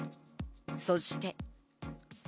そして。